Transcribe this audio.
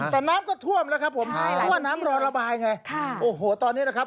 แต่น้ำก็ท่วมแล้วครับผมเพราะว่าน้ำรอระบายไงค่ะโอ้โหตอนนี้นะครับ